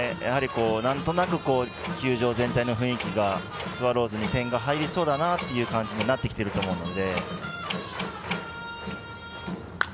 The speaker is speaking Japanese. なんとなく球場全体の雰囲気がスワローズに点が入りそうだなという感じになってきていると思うので。